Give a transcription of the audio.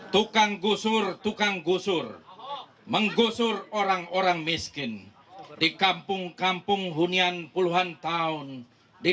tukang gusur tukang gusur menggusur orang orang miskin di kampung kampung hunian puluhan tahun di